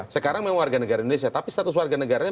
sekarang memang warga negara indonesia tapi status warga negaranya